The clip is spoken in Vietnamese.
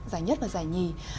giải nhất và giải nhì